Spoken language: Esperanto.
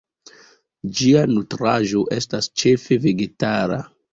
Ĝia nutraĵo estas ĉefe vegetara.